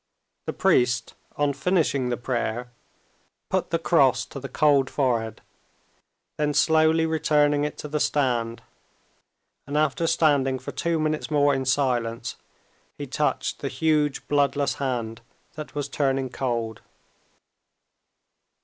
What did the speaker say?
The priest, on finishing the prayer, put the cross to the cold forehead, then slowly returned it to the stand, and after standing for two minutes more in silence, he touched the huge, bloodless hand that was turning cold.